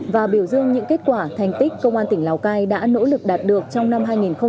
và biểu dương những kết quả thành tích công an tỉnh lào cai đã nỗ lực đạt được trong năm hai nghìn hai mươi ba